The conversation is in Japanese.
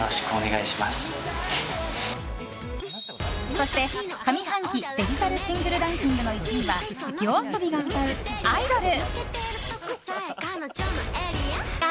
そして、上半期デジタルシングルランキングの１位は、ＹＯＡＳＯＢＩが歌う「アイドル」。